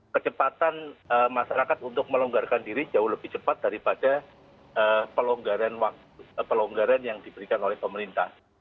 kecepatan masyarakat untuk melonggarkan diri jauh lebih cepat daripada pelonggaran yang diberikan oleh pemerintah